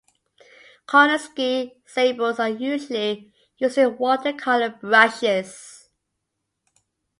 Kolinsky sables are usually used in watercolour brushes.